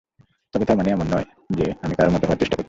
তবে তার মানে এমন নয়, আমি কারও মতো হওয়ার চেষ্টা করছি।